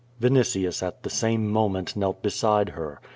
Vinitius at the same moment knelt beside her.